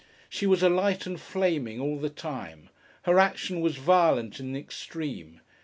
She was alight and flaming, all the time. Her action was violent in the extreme.